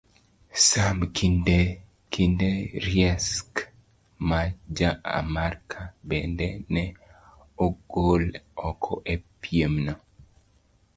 Sam Kendrieks ma Ja-Amerka bende ne ogol oko e piemno.